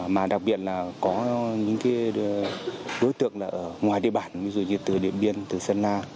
mà đặc biệt là có những đối tượng ở ngoài địa bản ví dụ như từ điện biên từ sơn la